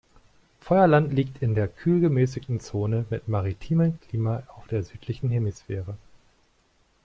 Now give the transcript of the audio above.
Feuerland liegt in der kühl-gemäßigten Zone mit maritimem Klima auf der südlichen Hemisphäre.